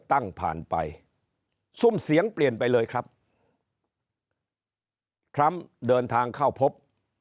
ผ่านไปซุ่มเสียงเปลี่ยนไปเลยครับทรัมป์เดินทางเข้าพบ